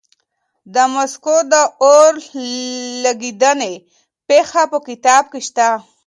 د مسکو د اور لګېدنې پېښه په کتاب کې شته.